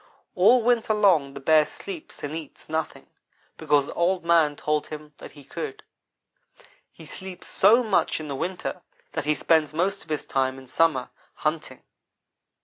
All winter long the Bear sleeps and eats nothing, because Old man told him that he could. He sleeps so much in the winter that he spends most of his time in summer hunting.